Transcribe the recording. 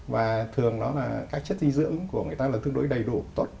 và thường đó là các chất dinh dưỡng của người ta là đầy đủ tốt